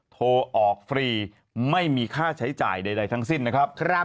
โทรออกฟรีไม่มีค่าใช้จ่ายใดทั้งสิ้นนะครับ